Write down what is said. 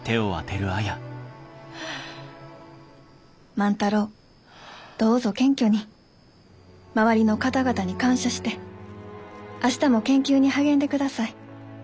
「万太郎どうぞ謙虚に周りの方々に感謝して明日も研究に励んでください。